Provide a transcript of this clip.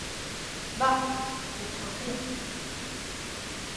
Va, ne crains rien.